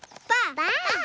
ばあっ！